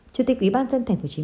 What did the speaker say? chủ tịch ủy ban dân tp hcm cho rằng